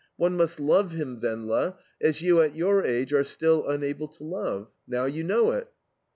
One must love him, Wendla, as you at your age are still unable to love. Now you know it!"